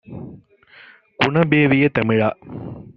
குணமேவிய தமிழா!